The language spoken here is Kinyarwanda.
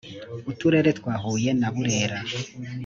uturere twa huye na burere